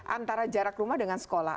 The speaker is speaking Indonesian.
antara jarak rumah dengan sekolah